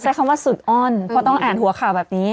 ใช้คำว่าสุดอ้อนเพราะต้องอ่านหัวข่าวแบบนี้